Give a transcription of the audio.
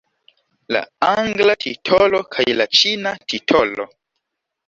La angla titolo kaj la ĉina titolo.